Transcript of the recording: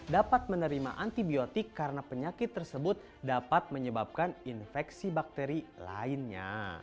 dapat menerima antibiotik karena penyakit tersebut dapat menyebabkan infeksi bakteri lainnya